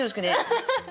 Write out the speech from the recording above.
アハハハ！